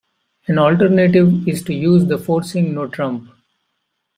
An alternative is to use the forcing notrump.